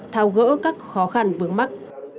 thao gỡ các khó khăn vướng mắt